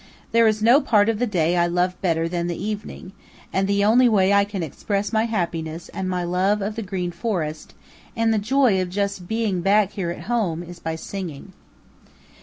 There is no part of the day I love better than the evening, and the only way I can express my happiness and my love of the Green Forest and the joy of just being back here at home is by singing."